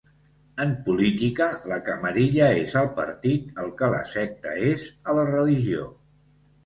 En política, la camarilla és al partit el que la secta és a la religió.